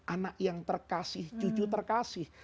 anak yang terkasih cucu terkasih